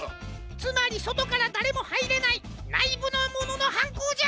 つまりそとからだれもはいれないないぶのもののはんこうじゃ！